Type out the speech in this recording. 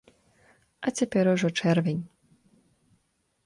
А цяпер ужо чэрвень.